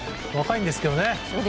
若いんですけどね。